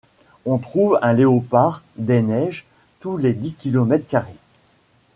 On trouve un léopard des neiges tous les dix kilomètres carrés.